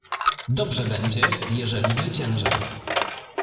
"Dobrze będzie, jeżeli zwyciężę."